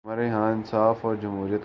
ہمارے ہاں انصاف اور جمہوریت کا حال۔